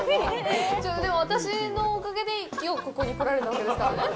でも、私のおかげできょうここに来られたわけですからね。